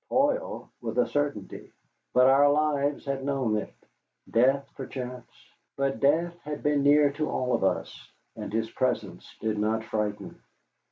Toil, with a certainty, but our lives had known it. Death, perchance. But Death had been near to all of us, and his presence did not frighten.